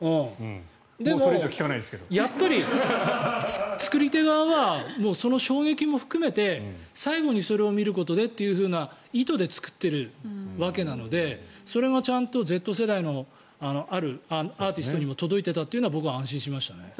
でも、やっぱり作り手側はその衝撃も含めて最後にそれを見ることでいう意図で作っているわけなのでそれがちゃんとＺ世代のあるアーティストには届いていたというのは僕は安心しましたね。